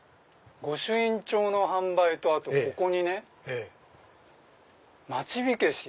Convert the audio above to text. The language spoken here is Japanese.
御朱印帳の販売とここにね町火消し。